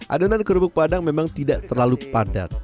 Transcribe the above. adonan kerupuk padang memang tidak terlalu padat